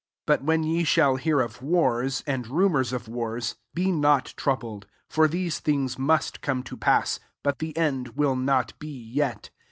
7 ^But when ye shall hear of wars, and rumours of wars, be not troubled : for these thing* must come to paM ; but the end will not he yet.